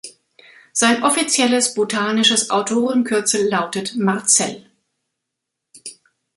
Sein offizielles botanisches Autorenkürzel lautet „Marzell“.